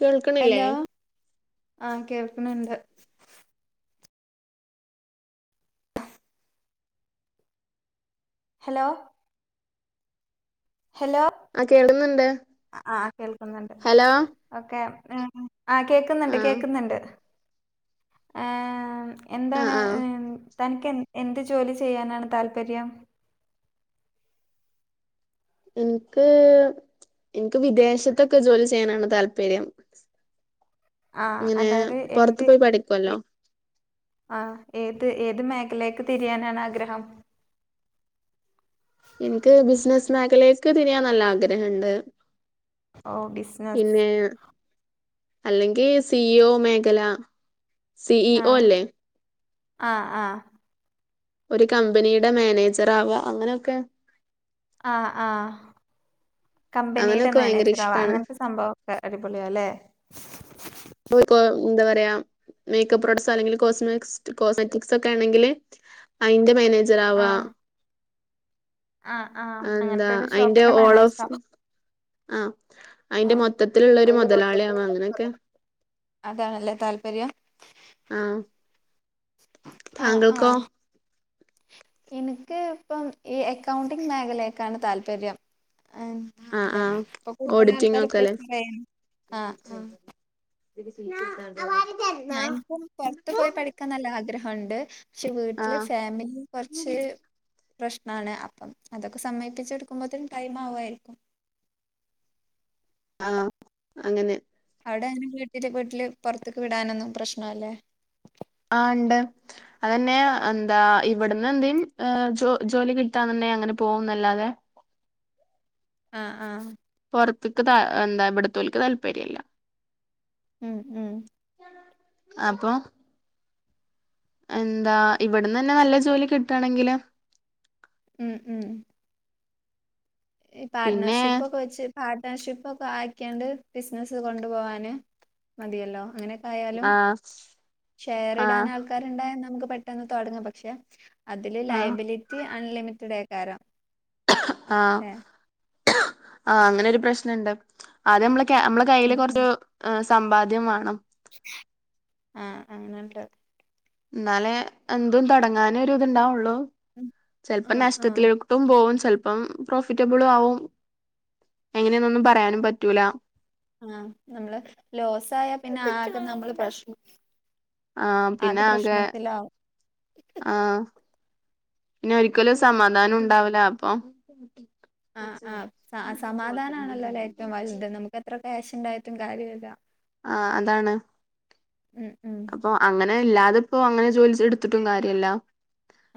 കേൾക്കണില്ലേ ഹലോ ആഹ് കേൾക്ക്ണ് ണ്ട് ഹലോ ഹലോ ആ കേൾക്കുന്നുണ്ട് അഹ് ആഹ് കേൾക്കുന്നുണ്ട് ഹലോ ഓക്കെ ആഹ് കേക്കുന്ന്ണ്ട് ആ കേക്ക്ന്ന്ണ്ട് ഏഹ് ആ എന്താണ് ആ ഹ് തനിക്ക് എൻ എന്ത് ജോലി ചെയ്യാനാണ് താല്പര്യം ഇൻക്ക് ഇൻക്ക് വിദേശത്തൊക്കെ ജോലി ചെയ്യാനാണ് താല്പര്യം ആഹ് ഇങ്ങനെ അതായത് പുറത്ത് എന്ത് പോയി എ പഠിക്കുവല്ലോ ആഹ് ഏത് ഏത് മേഖലേക്ക് തിരിയാനാണ് ആഗ്രഹം? ഇൻക്ക് ബിസിനസ് മേഖലേക്ക് തിരിയാ നല്ല ആഗ്രഹണ്ട് ഓ ബിസിനസ് പിന്നേം അല്ലെങ്കി സി ഓ മേഖല സി ഇ ഓ ആഹ് ല്ലേ ആഹ് ആഹ് ഒരു കമ്പനിയുടെ മേനേജറാവാ അങ്ങനൊക്കെ ആഹ് ആഹ് കമ്പനിയുടെ അങ്ങനെയൊക്കെ ഭയങ്കര മേനേജറാവാ ഇഷ്ടാണ് അങ്ങൻത്തെ സംഭവം ക്ക അടിപൊളിയാല്ലേ [unintelligible] എന്താ പറയ മേക്കപ് പ്രൊടസൊ അല്ലങ്കില് കോസ്മസ് [unintelligible] അയിന്റെ മേനേജറാ വാ ആഹ് ആഹ് ആഹ് അങ്ങനത്തൊരു ഷോപ്പിന്റെ മാനേജറാ. ആഹ് അതിന്റെ ആഹ് മൊത്തത്തിലുള്ള ഒരു അതിന്റെ മുതലാളിയാവും മൊത്തത്തിലുള്ള അങ്ങനെയൊക്കെ. അതാണല്ലേ താല്പര്യം? ആഹ് ആഹ് ആഹ്. എനിക്ക് ഇപ്പം ഈ അക്കൗണ്ടിങ് മേഖലയൊക്കെ ആണ് താല്പര്യം. ഏഹ് ആ ആഹ് ആ ഏഹ് ഇപ്പം കൂടുതൽ ഓഡിറ്റിംഗ് ആൾക്കാരും ഒക്കെ ഇപ്പൊ അല്ലേ പ്രേ ആഹ് ആഹ്. [unintelligible] ഇപ്പൊ നല്ല ആഗ്രഹമുണ്ട്, പക്ഷെ ആ വീട്ടില് ഫാമിലി കൊറച്ച്. പ്രശ്നമാണ് അപ്പം അതൊക്കെ സമ്മതിപ്പിച്ചെടുക്കുമ്പോത്തേന് ടൈം ആകുമായിരിക്കും. ആഹ് അങ്ങനെ. അവിടെ അങ്ങനെ വീട്ടില് വീട്ടില് പൊറത്തേക്ക് വിടാനൊന്നും പ്രശ്നമില്ല. ആഹ് ഇണ്ട്. അതെന്നെ എന്താ ഇവിടുന്ന് എന്തേം ആഹ് ജോ ജോലി കിട്ടാനുണ്ടേൽ അങ്ങനെ പോകൂന്നല്ലാതെ. ആഹ് ആഹ് പുറത്തുക്ക് ത എന്താ ഇവിടുത്തോൽക്ക് താല്പര്യമില്ല. ഉം ഉം അപ്പൊ എന്താ ഇവിടുന്ന് തന്നെ നല്ല ജോലി കിട്ടുകയാണെങ്കിലേ. ഉം ഉം ഈ പിന്നെ പാർട്ണർഷിപ്പ് ഒക്കെ വച്ച്. പാർട്ണർഷിപ് ഒക്കായിക്കാണ്ട് ബിസിനസ്സ് കൊണ്ടു പോവാന് മതിയല്ലോ അങ്ങനെ. എന്തായാലും ആ ഷെയർ ആ ഇടാൻ ആൾക്കാർ. ആൾക്കാർ ഉണ്ടായാൽ നമുക്ക് പെട്ടെന്ന് തൊടങ്ങാം, പക്ഷെ അതില് ആ ലയബിലിറ്റി അൺലിമിറ്റഡ് അയ്ക്കാരം. ആഹ് ആഹ് അങ്ങനെയൊരു പ്രശ്നമുണ്ട്, ആദ്യ നമ്മള് ക്യാ നമ്മള്. ഉം കയ്യില് കുറച്ച് ഏഹ് സമ്പാദ്യം വേണം. ആഹ് ആഹ് അങ്ങനെ ഉണ്ട്. എന്നാല് എന്തും തൊടങ്ങാന് ഒരു ഇത് ഉണ്ടാവുകയുള്ളൂ ആ ചെലപ്പോ ആ നഷ്ട്ടത്തിലോക്കും. ഇപ്പൊ പോവും ചെൽപ്പം പ്രോഫിറ്റബ്ളുമാവും എങ്ങനെന്നൊന്നും പറയാനും പറ്റൂല. ആഹ് നമ്മള് ലോസ് ആയാൽ പിന്നെ ആകെ നമ്മള് പ്രശ്നം. ആഹ് പിന്നെ ആകെ ആഹ്. പിന്നെ ഒരിക്കലും സമാധാനം ഉണ്ടാവൂല അപ്പൊ. ആഹ് ആഹ് സ സമാധാനമാണല്ലോ ഏറ്റവും വലുത് നമുക്ക് എത്ര ക്യാഷ് ഉണ്ടായിട്ടും കാര്യയില്ല. ആഹ് അതാണ് ഉം ഉം അപ്പൊ. അങ്ങനെയില്ലാതെ ഇപ്പോ അങ്ങനെ ജോലി ചെ എടുത്തിട്ടും കാര്യമില്ല.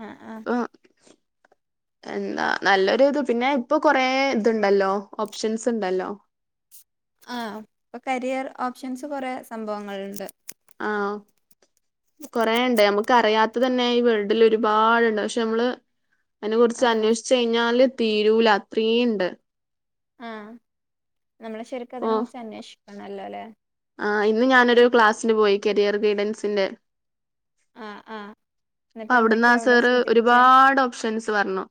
ആഹ് ആഹ് എന്താ നല്ലൊരു ഇത് പിന്നെ ഇപ്പോ കൊറെ ഇത് ഉണ്ടല്ലോ ഓപ്ഷൻസ് ഉണ്ടല്ലോ? ആഹ് ഇപ്പൊ കരിയർ ഓപ്ഷൻസ് കൊറെ സംഭവങ്ങളുണ്ട്. ആഹ് കൊറെയുണ്ട് നമുക്ക് അറിയാത്ത. ഇപ്പോ തന്നെ ഈ വേൾഡിൽ ഒരുപാടുണ്ട് പക്ഷെ നമ്മള് അയിനെ കുറിച്ച് ആ അന്വേഷി തിരഞ്ഞാല് തീരൂല അത്രയും ഉണ്ട്. ആഹ് നമ്മള് ശരിക്കും അതിനെ കുറിച്ച് അന്വേഷിക്കണം നല്ലപോലെ. ആഹ് ഇന്ന് ഞാനൊരു ക്ലാസ്സിന് പോയി കരിയർ ഗൈഡൻസിന്റെ. ആഹ് ആഹ് എന്നിട്ട് അപ്പം അവിടുന്ന് എന്തൊക്കെയാ ആഹ് അവിടെ സാറേ സൂചിപ്പിച്ചേ ഒരുപാട് ഓപ്ഷൻസ് പറഞ്ഞു.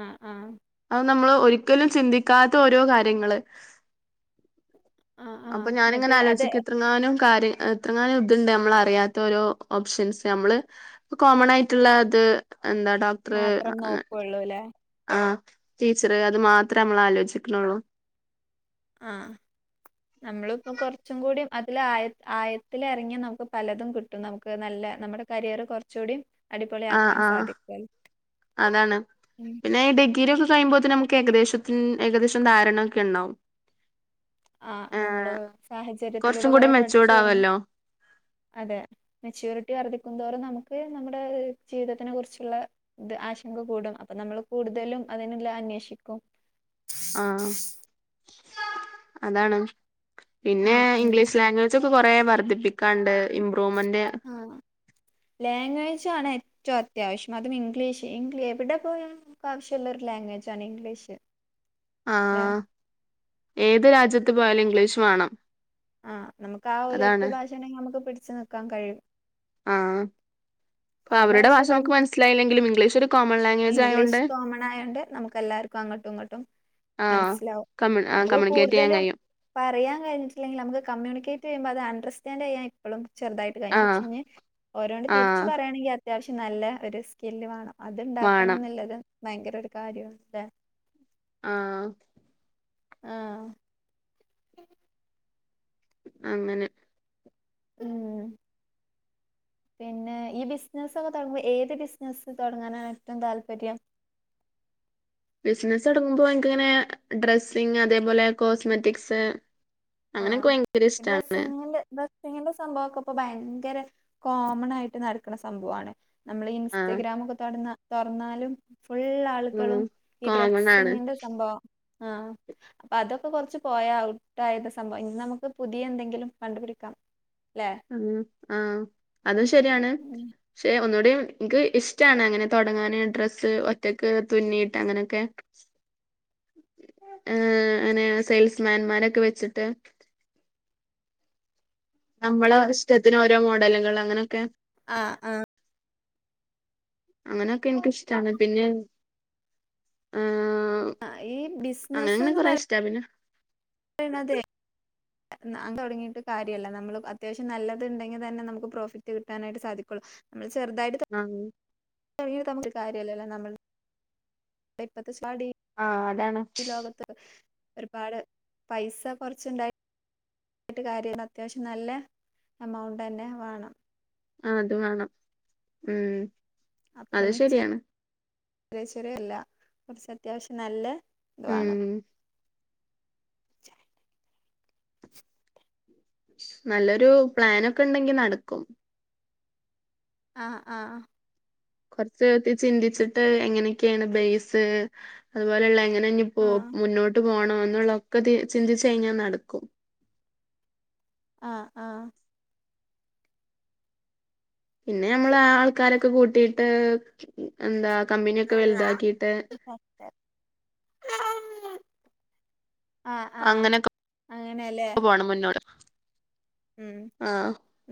ആഹ് ആഹ് അത് നമ്മള് ഒരിക്കലും ചിന്തിക്കാത്ത ഓരോ കാര്യങ്ങള് ആഹ് ആഹ് അപ്പ എന്നിട്ട് ഞാനിങ്ങനെ അത് ആലോചിക്ത് എത്രങ്ങാനും കാര്യ എത്രങ്ങാനും ത്ണ്ട് നമ്മളറിയാത്തോരോ ഓപ്ഷൻസ് നമ്മള് പ്പ കോമണായിട്ടുള്ള ത് എന്താ ഡോക്ടർ അ ളു ലെ ആഹ് ടീച്ചറ് അത് മാത്രേ നമ്മള് ആലോചിക്ക്ണൊള്ളു. ആഹ് നമ്മള്പ്പോ കൊറച്ചും കൂടി അതില് ആയ ആയത്തില് എറങ്ങിയ നമുക്ക് പലതും കിട്ട് ട്ടും നമുക്ക് നല്ല നമ്മടെ കരിയർ കൊറചൂടിം ആഹ് ആഹ് അതാണ് പിന്നെ ഈ ഡിഗ്രിയൊക്കെ കയ്മ്പോ ത്തിന് നമുക്ക് ഏകദേശത്തിൻ ഏകദേശം ധാരണയൊക്കെണ്ടാവും. ആഹ് നമ്മള് സാഹചര്യത്തിലൂടെ കുറച്ചും കൂടി കൊറെ പഠിച്ചു മെച്ചൂർഡ് വരും ആവല്ലോ അതെ മെച്ച്യുരിറ്റി വർധിക്കുംന്തോറും നമുക്ക് നമ്മുടെ ഏഹ് ജീവിതത്തിനെ കുറിച്ച്ള്ള ഇത് ആശങ്ക കൂടും അപ്പ നമ്മള് കൂടുതലും അതിന്ള്ള അന്വേഷിക്കും. ആഹ് അതാണ് പിന്നെ ഉം ഉം ഇംഗ്ലീഷ് ലാഗ്വേ ക്കെ കൊറേ വർദ്ധിപ്പിക്കാണ്ട് ഇമ്പ്രൂവ്മെന്റ് ആഹ് ലാംഗ്വേജാണ് ഏറ്റവും അത്യാവശ്യം അതും ഇംഗ്ലീഷ് ഇംഗ്ലി എവിടെ പോയാ മക്ക് ആവശ്യള്ളൊരു ലാംഗ്വജാണ് ഇംഗ്ലീഷ്. അല്ലേ ആഹ് ഏത് രാജ്യത്ത് പോയാലും ഇംഗ്ലീഷ് വാണം ആഹ് നമുക്ക് ആഹ് ഒരു ഒറ്റ ഭാഷണ്ടെങ്കിൽ നമുക്ക് പിടിച്ച് നിക്കാൻ കയ്യും. ആഹ് പ്പ ആ അവരുടെ ഭാഷ നമ്മക്ക് പറഞ്ഞ് മനസ്സിലായില്ലെങ്കിലും ഇംഗ്ലീഷ് ഒരു കോമൺ ലാംഗ്വേജ് ആയോണ്ട്. ഒക്കെ അങ്ങട്ടും ഇങ്ങട്ടും ആഹ് മനസ്സിലാവും കമ്മ്യൂ ആഹ് നമ്മള് കമ്മ്യൂണിക്കേറ്റ് ചെയ്യാൻ കൂടുതലും കഴിയും പറയാൻ കയ്ഞ്ഞ്ട്ടില്ലെങ്കിലും നമുക്ക് കമ്മ്യുണികേറ്റെയ്യുമ്പോ അത് അണ്ടർസ്റ്റാന്റ് ചെയ്യാ പ്പളും ചെറ്തായിട്ട് കയ്യിണ്ട് ആഹ് പക്ഷേ ഞ്ഞി ഓരോണ്ട് തി ആഹ് വേണെങ്കിൽ അത്യാവശ്യം നല്ല ഒരു സ്കില്ല് വാണം അത് വാണം ഇണ്ടാക്കണനെല്ലെരു ഭയങ്കര ഒരു കാര്യ ല്ലേ? ആഹ് ആഹ് അങ്ങനെ ഉംഹ് പിന്നെ ഈ ബിസിനസൊക്കെ തൊടങ്ങുമ്പോ ഏത് ബിസിനസ്സ് തൊടങ്ങാനാണ് ഏറ്റവും താല്പര്യം ബിസിനസൊടുങ്ങുമ്പോ എൻക്കിങ്ങനെ ഡ്രസ്സിങ് അതേപോലെ കോസ്മെറ്റിക്സ് അങ്ങനെയൊക്കെ ആഹ് ഭയങ്കര ഈ ഇഷ്ടാണ് ഡ്രസ്സങ്ങിൻ്റെ ഡ്രസ് പ്പ ഇങ്ങനത്തെ സംഭവൊക്കെ ഇപ്പൊ ഭയങ്കര കോമണായിട്ട് നടക്ക്ണ സംഭവാണ് നമ്മള് ആഹ് ഇൻസ്റ്റഗ്രാമെക്കെ തൊടന്നാ തൊറന്നാലും ഫുള്ളാ ഉം ൾകളും ഈ കോമൺ ആണ് ഡ്രസിങ്ങിൻ്റെ സംഭവാ ആഹ് അപ്പൊതൊക്കെ കൊറച്ച് പോയാ ഔട്ടായത് സംഭവം ഇന്ന് നമുക്ക് പുതിയ എന്തെങ്കിലും കണ്ടുപിടിക്കാം അല്ലേ ആഹ് ആഹ് അതുശരിയാണ് ഉം. പക്ഷെ ഒന്നുകൂടി എനിക്ക് ഇഷ്ടാണ് അങ്ങനെ തൊടങ്ങാന് ഡ്രസ്സ് ഒറ്റക്ക് തുന്നിയിട്ട് അങ്ങനെയൊക്കെ [inaudible] ഏഹ് അങ്ങനെ സെയിൽസ്മാൻമാരൊക്കെ വെച്ചിട്ട് നമ്മളെ ഇഷ്ടത്തിന് ഓരോ മോഡലുകള് അങ്ങനൊക്കെ ആഹ് ആഹ് അങ്ങനെയൊക്കെ എനിക്കിഷ്ടമാണ് പിന്നെ ആഹ്. ആഹ് ഈ ബിസിനസ്സ് എന്ന് പറയാൻ. റ്റും. വെറുതെ അങ്ങ് തൊടങ്ങിട്ട് കാര്യയില്ല നമ്മള് അത്യാവശ്യം നല്ലത് ഇണ്ടെങ്കിൽ തന്നെ നമുക്ക് പ്രോഫിറ്റ് കിട്ടാനായിട്ട് സാധിക്കുള്ളൂ. നമ്മള് ചെറുതായിട്ട്. ആഹ് [unintelligible] കാര്യമില്ലല്ലോ നമ്മള് ഇപ്പത്തെ സ്റ്റാർട്ടിങ്. ആഹ് അതാണ്. ഈ ലോകത്ത് ഒരുപാട് പൈസ കൊറച്ചുണ്ടായി. ഇട്ട് കാര്യയില്ല അത്യാവശ്യം നല്ല എമൗണ്ട് തന്നെ വേണം. ആഹ് അത് വേണം ഉം. അപ്പം അത് പിന്നെ ചെ ശരിയാണ് ചെറിയ ചെറിയല്ല കുറച്ച് അത്യാവശ്യം നല്ല ഇത് വേണം. ഉം ചെറിയ നല്ലൊരു പ്ലാൻ ഒക്കെ ഉണ്ടെങ്കിൽ നടക്കും. ആഹ് ആഹ് കുറച്ച് ഇരുത്തി ചിന്തിച്ചിട്ട് എങ്ങനെയൊക്കെയാണ് ബേസാ. അതുപോലെയുള്ള എങ്ങനെ ഇനി പോ ആഹ് മുന്നോട്ട് പോണോന്നുള്ള ഒക്കെ ചിന്തിച്ചു കഴിഞ്ഞാൽ നടക്കും. ആഹ് ആഹ് പിന്നെ നമ്മള് ആഹ് ആൾക്കാരൊക്കെ കൂട്ടിയിട്ട് എന്താ കമ്പനിയൊക്കെ വലുതാക്കിട്ട്. തന്നെ ആഹ് ആഹ് അങ്ങനെയൊക്കെ അങ്ങനെല്ലേ. പോണം മുന്നോട്ട്. ഉം ആ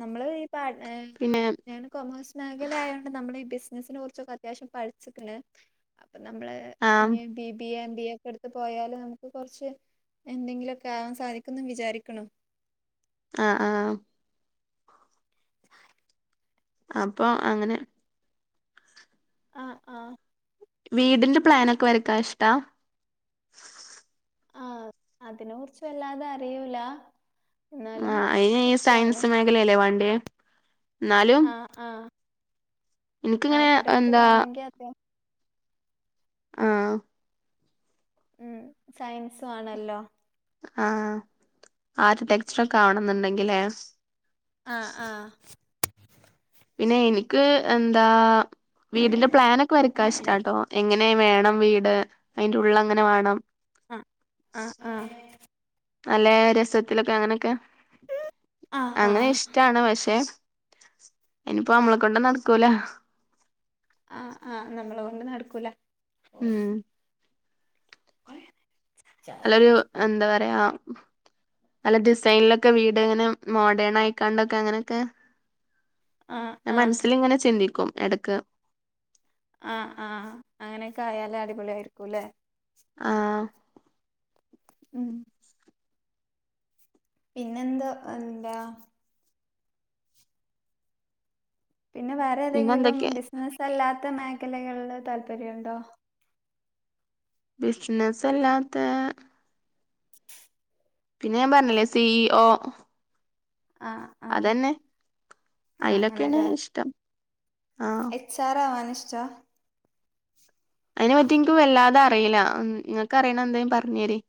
നമ്മള് ഈ പാർട്ണർ പിന്നെ ഞാനും കോമേഴ്‌സ്. മേഖല ആയേണ്ടേ നമ്മള് ഈ ബിസിനസ്സിനെ കുറിച്ചൊക്കെ അത്യാവശ്യം പഠിച്ചുക്കേണ്, അപ്പൊ നമ്മള്. ആ ഇനി B B A, M B A. എടുത്ത് പോയാല് നമുക്ക് കൊറച്ച് എന്തെങ്കിലുമൊക്കെ ആവാൻ സാധിക്കുന്നു വിചാരിക്കേണ്. ആഹ് ആഹ് അപ്പൊ അങ്ങനെ ആഹ് ആഹ് വീടിന്റെ പ്ലാൻ ഒക്കെ വരയ്ക്കാൻ ഇഷ്ടവാ. ആഹ് അതിനെ കുറിച്ച് വല്ലാതെ അറിയൂല. എന്നാലും ആഹ് അയിന് ഈ ഇഷ്ടാണ് സയൻസ് മേഖലയല്ലേ വേണ്ടേയ്, എന്നാലും. ആഹ് ആഹ് എനിക്കിങ്ങനെ ആർക്കിടെക്റ്റർ എന്താ ആവണമെങ്കിൽ അത്. ആഹ് ഉം സയൻസ് വേണല്ലോ? ആഹ് ആർക്കിടെക്റ്റർ ആവണമെന്നുണ്ടെങ്കിലേ. ആഹ് ആഹ് പിന്നെ എനിക്ക് എന്താ വീടിന്റെ പ്ലാൻ ഒക്കെ വരയ്ക്കാൻ ഇഷ്ടാട്ടോ എങ്ങനെ. എങ്ങനെ വേണം വീട് അയിന്റെ ഉള്ളെങ്ങനെ വേണം. ആഹ് ആഹ് ആഹ്. നല്ല രസത്തിലൊക്കെ അങ്ങനെ ഒക്കെ ആഹ് അങ്ങനെ ആഹ് ഇഷ് ട്ടാണ്, പക്ഷെ അയിന് ഇപ്പൊ നമ്മളെ കൊണ്ടൊന്നും നടക്കൂല. ആഹ് ആഹ് നമ്മളെ കൊണ്ട് നടക്കൂല. ഉം കൊറെ അതൊരു എന്തപറയ നല്ല ഡിസൈൻലൊക്കെ വീട്ങ്ങനെ മോഡേണായിക്കാണ്ടൊക്കെ അങ്ങനെക്കെ ആഹ് [unintelligible] ആഹ് മനസ്സിലിങ്ങനെ ചിന്തിക്കും എടക്ക് ആഹ് ആഹ് അങ്ങനെക്കെ ആയാല് അടിപൊളിയായിരിക്കുംലെ ആഹ് ഉം പിന്നെന്താ എന്താ? പിന്നെ വേറെ പിന്നെ ഏതേങ്കിലും എന്തൊക്കെ ബിസിനസ്സല്ലാത്ത മേഖലകളില് താല്പര്യണ്ടോ? ബിസ്നെസ്സെല്ലാത്തെ പിന്നെ ഞാംപർഞ്ഞില്ലേ സീ ഓ ആഹ് ആഹ് അതന്നെ ആഹ് അയ്ലൊക്കെണ് അങ്ങനെല്ലേ ഇഷ്ടം ആഹ് സാറാവാനിഷ്ച അയ്നെപറ്റി ഇൻക്ക് വല്ലാതെ അറീല ഇങ്ങക്കറിയിണെന്തെം പർഞ്ഞെരി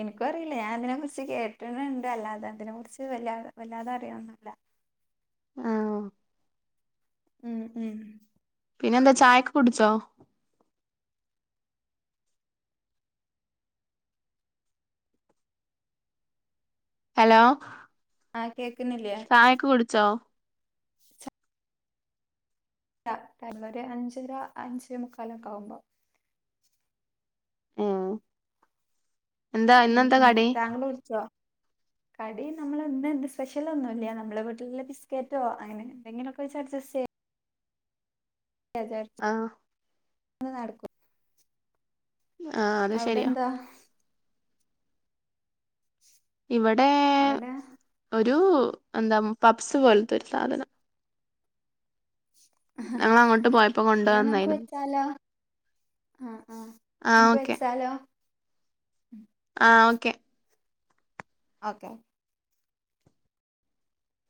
എനിക്കും അറിയില്ല ഞാൻ അതിനെ കുറിച്ച് കേട്ട്ണിണ്ട് അല്ലാതെ അതിനെ കുറിച്ച് വല്ലാ വല്ലാതെ അറിയൊന്നുല്ല ആഹ് ഓഹ് ഉം ഉം പിന്നെന്താ ചായൊക്കെ കുടിച്ചോ? ഹലോ ആഹ് കേക്കുന്നില്ലേ ചായൊക്കെ കുടിച്ചോ? [unintelligible] ടൈമൊരു അഞ്ചര അഞ്ചേ മുക്കാലൊക്കാവുമ്പോ ഉം ഉം ഉം താങ്കള് വിളിച്ചോ? കടി നമ്മളന്നെന്ത് സ്പെഷ്യലൊന്നുല്ല്യ നമ്മളെ വീട്ടിലെ ബിസ്ക്കേറ്റോ അങ്ങനെ എന്തെങ്കിലൊക്കെ വെച്ച് അഡ്ജസ്റ്റെയ് [unintelligible] ആഹ് ന്ന് ന്നട്ക്കും ആഹ് അത് അവിടെ ശെരിയാ എന്താ ഇവടേ അവടെ ഒരൂ എന്താ പപ്സ് പോൽത്തൊരു സാധനം ഞങ്ങളങ്ങോട്ട് പോയപ്പോ എന്നാ ന്നമുക്ക് കൊണ്ടുവന്നായിരുന്നു വെച്ചാലോ? ആഹ് ആഹ് ആഹ് ന്നമുക്ക് ഓക്കെ വെച്ചാലോ? ആഹ് ഓക്കെ ഓക്കെ